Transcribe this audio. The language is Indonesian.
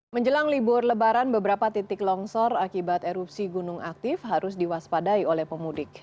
menjelang libur lebaran beberapa titik longsor akibat erupsi gunung aktif harus diwaspadai oleh pemudik